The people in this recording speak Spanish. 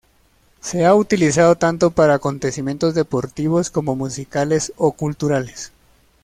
Se ha utilizado tanto para acontecimientos deportivos como musicales o culturales.